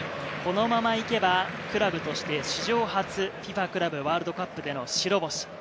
このまま行けばクラブとして史上初、ＦＩＦＡクラブワールドカップでの白星。